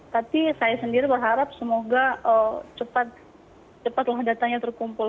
tapi saya sendiri berharap semoga cepatlah datanya terkumpul